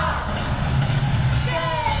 せの！